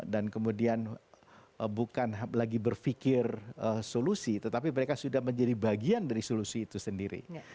dan kemudian bukan lagi berfikir solusi tetapi mereka sudah menjadi bagian dari solusi itu sendiri